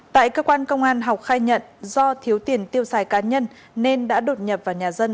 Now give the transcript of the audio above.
tại cơ quan công an học khai nhận do thiếu tiền tiêu xài cá nhân nên đã đột nhập vào nhà dân